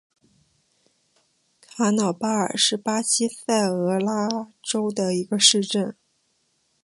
卡瑙巴尔是巴西塞阿拉州的一个市镇。